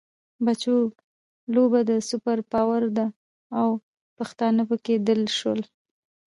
بچو! لوبه د سوپر پاور ده او پښتانه پکې دل شول.